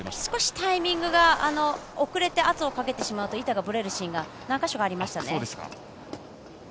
少しタイミングが遅れて圧をかけてしまうと板がぶれるシーンが何か所かありましたね。